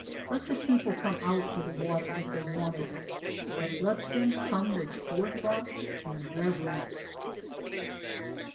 Let the people come out for the water if they want it ; but let them come with forethought and reverence.